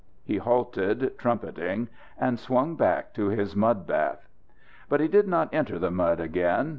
He halted, trumpeting, and swung back to his mud bath. But he did not enter the mud again.